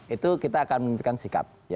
itu kita akan memimpikan sikap